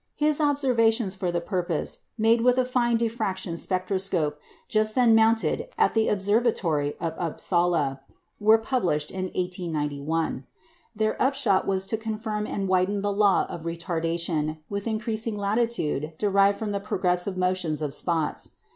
His observations for the purpose, made with a fine diffraction spectroscope, just then mounted at the observatory of Upsala, were published in 1891. Their upshot was to confirm and widen the law of retardation with increasing latitude derived from the progressive motions of spots.